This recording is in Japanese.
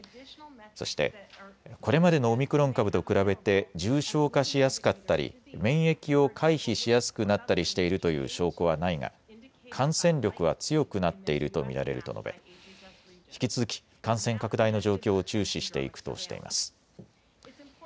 そして、これまでのオミクロン株と比べて重症化しやすかったり免疫を回避しやすくなったりしているという証拠はないが感染力は強くなっていると見られると述べ引き続き感染拡大の状況を注視していくとしています。